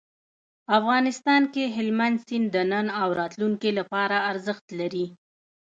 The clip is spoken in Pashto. افغانستان کې هلمند سیند د نن او راتلونکي لپاره ارزښت لري.